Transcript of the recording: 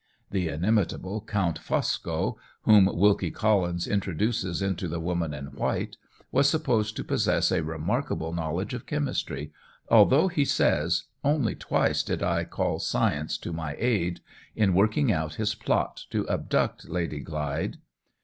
The inimitable Count Fosco, whom Wilkie Collins introduces into "The Woman in White," was supposed to possess a remarkable knowledge of chemistry, although he says, "Only twice did I call science to my aid," in working out his plot to abduct Lady Glyde.